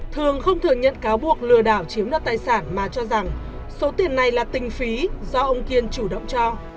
thường không thừa nhận cáo buộc lừa đảo chiếm đoạt tài sản mà cho rằng số tiền này là tình phí do ông kiên chủ động cho